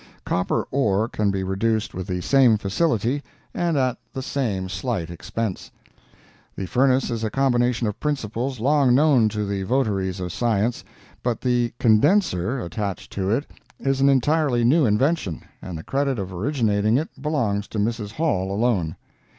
Copper ore can be reduced with the same facility and at the same slight expense. The furnace is a combination of principles long known to the votaries of science, but the "Condenser" attached to it is an entirely new invention, and the credit of originating it belongs to Mrs. Hall alone.